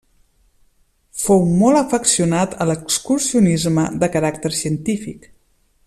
Fou molt afeccionat a l'excursionisme de caràcter científic.